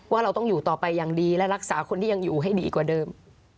เราต้องอยู่ต่อไปอย่างดีและรักษาคนที่ยังอยู่ให้ดีกว่าเดิม